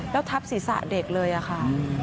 แล้วทับศีรษะเด็กเลยค่ะ